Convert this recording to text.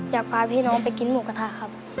อยากพาพี่น้องไปกินหมูกระทะครับ